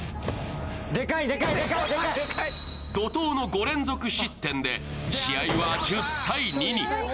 怒とうの５連続失点で試合は１０−２に。